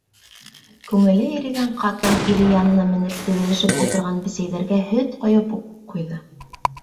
Күңеле ирегән ҡатын ире янына менеп теҙелешеп ултырған бесәйҙәргә һөт ҡойоп уҡ ҡуйҙы.